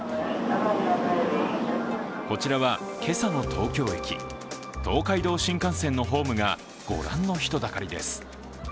こちらは今朝の東京駅、東海道新幹線のホームがご覧の人だかりです。